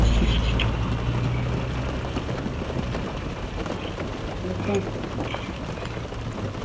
美国总统杰斐逊决定派遣使者前往摩洛哥和阿尔及利亚试图商谈交换船员。